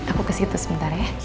aku ke situ sebentar ya